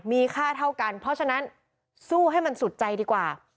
มีค่าเท่ากันเพราะฉะนั้นสู้ให้มันสุดใจดีกว่า